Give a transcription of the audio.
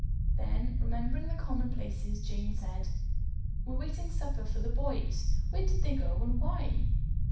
Then remembering the commonplaces, Jane said: "We're waiting supper for the boys. Where did they go and why?"